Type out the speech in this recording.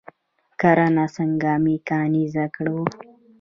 کرنه څنګه میکانیزه کړو؟